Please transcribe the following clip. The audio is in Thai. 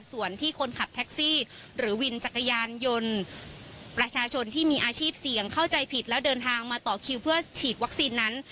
ส่วนที่คนขับแท็กซี่หรือวินจักรยานยนต์ประชาชนที่มีอาชีพเสี่ยงเข้าใจผิดแล้วเดินทางมาต่อคิวเพื่อฉีดวัคซีนนั้น